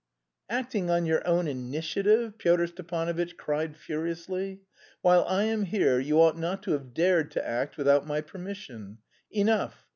"Acting on your own initiative!" Pyotr Stepanovitch cried furiously. "While I am here you ought not to have dared to act without my permission. Enough.